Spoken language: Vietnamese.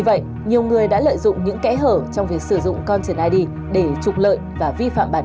vậy nhiều người đã lợi dụng những kẽ hở trong việc sử dụng con trở lại đi để trục lợi và vi phạm bản